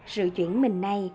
sự chuyển mình này